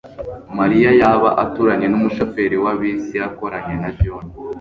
Mariya yaba aturanye numushoferi wa bisi yakoranye na John?